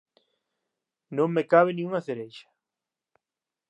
Non me cabe nin unha cereixa.